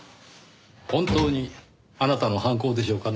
本当にあなたの犯行でしょうかね？